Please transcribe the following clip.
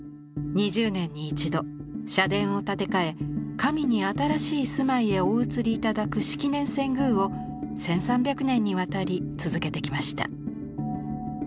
２０年に一度社殿を建て替え神に新しい住まいへお移りいただく式年遷宮を１，３００年にわたり続けてきました。